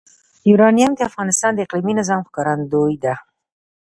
یورانیم د افغانستان د اقلیمي نظام ښکارندوی ده.